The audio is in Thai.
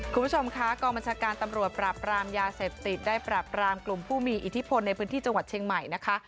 คุณผู้ชมคะกองบัญชาการตำรวจปราบรามยาเสพติดได้ปราบรามกลุ่มผู้มีอิทธิพลในพื้นที่จังหวัดเชียงใหม่นะคะ